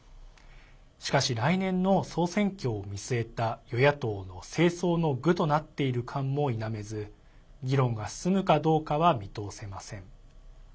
しかし、来年の総選挙を見据えた与野党の政争の具となっている感も否めず議論が進むかどうかは見通せません。